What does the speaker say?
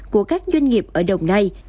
của các doanh nghiệp ở đồng nay